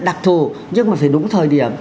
đặc thù nhưng mà phải đúng thời điểm